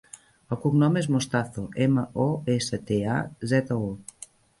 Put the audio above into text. El cognom és Mostazo: ema, o, essa, te, a, zeta, o.